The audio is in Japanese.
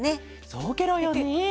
そうケロよね。